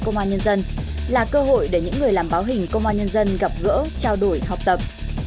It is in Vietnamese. công an nhân dân là cơ hội để những người làm báo hình công an nhân dân gặp gỡ trao đổi học tập